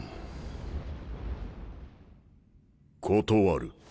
断る